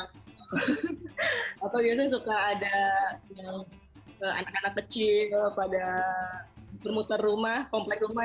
pada saat kita beduk biasanya suka ada yang anak anak kecil pada bermutar rumah komplek rumah